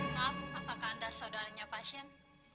maaf apakah anda saudaranya pasien